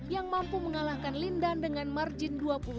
yang mampu mengalahkan lindan dengan margin dua puluh satu